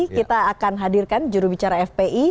kita akan hadirkan jurubicara fpi